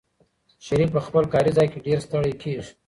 شریف په خپل کاري ځای کې ډېر ستړی کېږي.